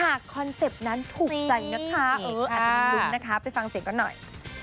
หากคอนเซ็ปต์นั้นถูกใจนะคะเอออ่ะก็ให้รุ้นไปฟังเสียงกันหน่อย